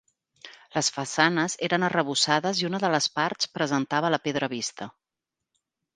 Les façanes eren arrebossades i una de les parts presentava la pedra vista.